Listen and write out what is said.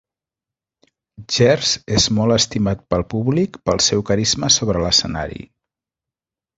Gers és molt estimat pel públic pel seu carisma sobre l'escenari.